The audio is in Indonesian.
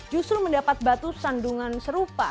justru mendapat batu sandungan serupa